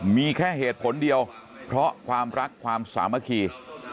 มีแค่เหตุผลเดียวเพราะความรักความสามัคคี